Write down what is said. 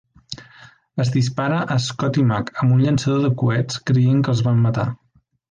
Es dispara a Scott i Mac amb un llançador de coets, creient que els van matar.